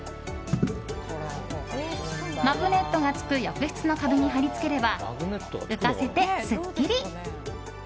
マグネットがつく浴室の壁に貼り付ければ浮かせてスッキリ。